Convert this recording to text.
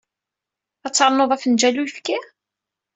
Ad ternuḍ afenǧal n uyefki?